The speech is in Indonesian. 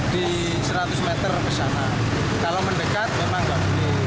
di seratus meter ke sana kalau mendekat memang nggak